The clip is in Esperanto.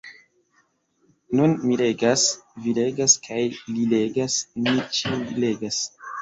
Nun mi legas, vi legas kaj li legas; ni ĉiuj legas.